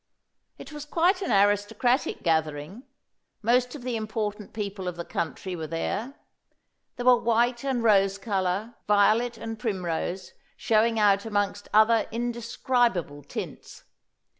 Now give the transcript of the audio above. It was quite an aristocratic gathering; most of the important people of the country were there. There were white and rose colour, violet and primrose, showing out amongst other indescribable tints.